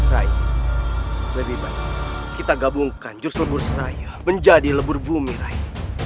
rai lebih baik kita gabungkan jus lebur seraya menjadi lebur bumi rai